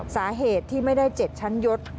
สาเหตุที่ไม่ได้๗ชั้นยศ